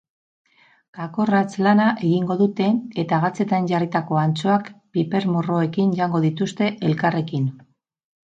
Kakorratz-lana egingo dute eta gatzetan jarritako antxoak pipermorroekin jango dituzte elkarrekin.